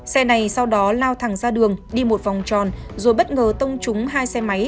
xe này sau đó lao thẳng ra đường đi một vòng tròn rồi bất ngờ tông trúng hai xe máy